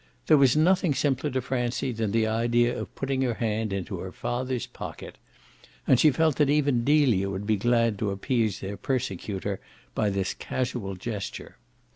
There was nothing simpler to Francie than the idea of putting her hand into her father's pocket, and she felt that even Delia would be glad to appease their persecutor by this casual gesture.